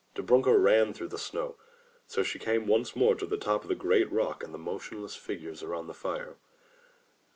Dobrunka ran through the snow. So she came once more to the top of the great rock and the motion less figures around the fire.